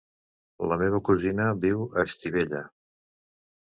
La meva cosina viu a Estivella.